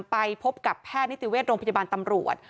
ไปพบกับแพทย์นิติเวชโรงพยาบาลตำรวจ